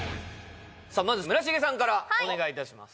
まず村重さんからお願いいたします